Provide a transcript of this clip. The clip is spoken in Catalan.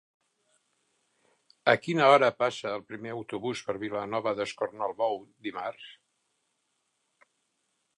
A quina hora passa el primer autobús per Vilanova d'Escornalbou dimarts?